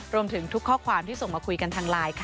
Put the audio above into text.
รวมถึงทุกข้อความที่ส่งมาคุยกันทางไลน์ค่ะ